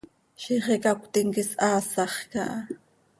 Ziix icacötim quih shaasax caha.